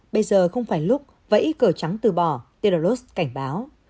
bây giờ không phải lúc vẫy cờ trắng từ bỏ teros cảnh báo